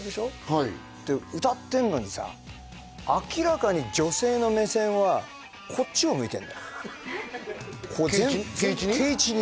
はいで歌ってんのにさ明らかに女性の目線はこっちを向いてんだよケイイチに？